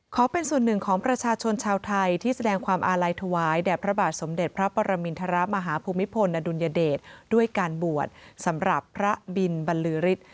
ขอเป็นส่วนหนึ่งของประชาชนชาวไทยที่แสดงความอาลัยถวายแด่พระบาทสมเด็จพระปรมินทรมาฮภูมิพลอดุลยเดชด้วยการบวชสำหรับพระบินบรรลือฤทธิ์